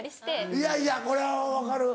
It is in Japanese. いやいやこれは分かる。